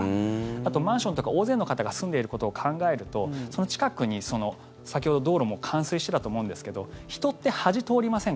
あとマンションとか、大勢の方が住んでいることを考えるとその近くに、先ほど道路も冠水してたと思うんですけどうん、うん。